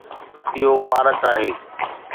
اهو پارڪ آهي